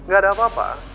ga ada apa apa